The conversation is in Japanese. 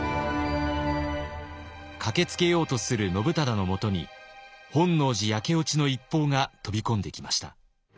駆けつけようとする信忠のもとに本能寺焼け落ちの一報が飛び込んできました。